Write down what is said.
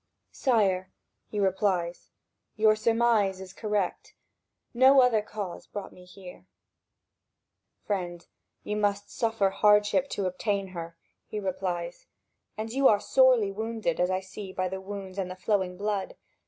"Sire," he replies, "your surmise is correct; no other cause brings me here." "Friend, you must suffer hardship to obtain her," he replies; "and you are sorely wounded, as I see by the wounds and the flowing blood.